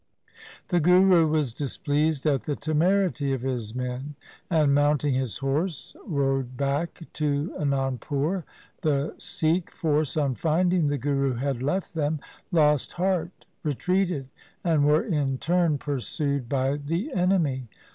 The Guru was displeased at the temerity of his men, and mounting his horse rode back to Anandpur. The Sikh force, on finding the Guru had left them, lost heart, retreated, and were in 156 THE SIKH RELIGION turn pursued by the enemy.